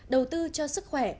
đầu tư cho sức khỏe